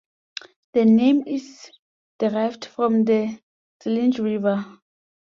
The name is derived from the Selenge river.